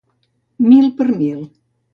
Mil per mil